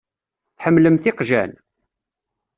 Tḥemmlemt iqjan?